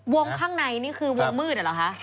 วงข้างในนี่คือวงมืดอ่ะหรอครับ